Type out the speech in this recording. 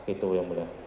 itu yang mulia